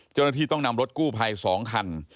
เจ้าหน้าที่ต้องนำรถกู้ภัย๒คัน